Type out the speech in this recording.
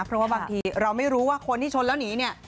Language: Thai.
เพราะว่าบางทีเราไม่รู้ว่าคนที่ชนแล้วหนีเนี่ย